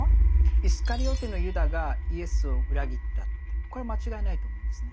イスカリオテのユダがイエスを裏切ったってこれは間違いないと思うんですね。